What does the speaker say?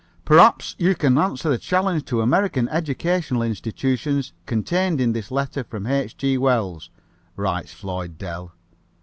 "Perhaps you can answer the challenge to American educational institutions contained in this letter from H. G. Wells," writes Floyd Dell.